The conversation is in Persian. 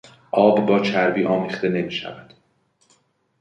آب با چربی آمیخته نمیشود.